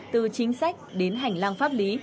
từ chính sách đến hành lang pháp lý